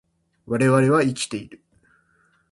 我々は生きている